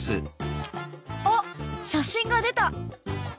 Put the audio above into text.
あっ写真が出た！